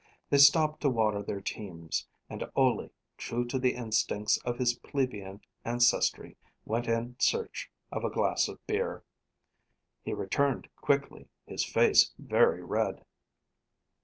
They stopped to water their teams; and Ole, true to the instincts of his plebeian ancestry, went in search of a glass of beer. He returned, quickly, his face very red.